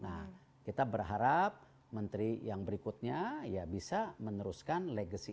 nah kita berharap menteri yang berikutnya ya bisa meneruskan legacy